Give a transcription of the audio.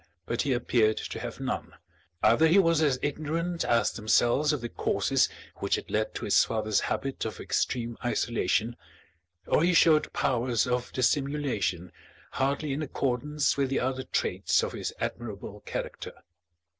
But he appeared to have none. Either he was as ignorant as themselves of the causes which had led to his father's habit of extreme isolation, or he showed powers of dissimulation hardly in accordance with the other traits of his admirable character.